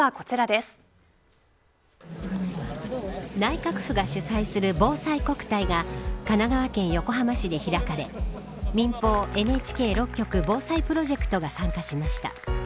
内閣府が主催するぼうさいこくたいが神奈川県横浜市で開かれ民法ＮＨＫ６局防災プロジェクトが参加しました。